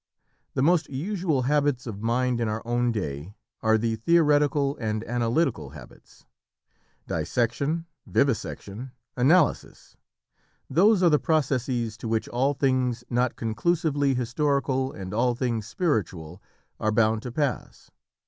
The most usual habits of mind in our own day are the theoretical and analytical habits. Dissection, vivisection, analysis those are the processes to which all things not conclusively historical and all things spiritual are bound to pass.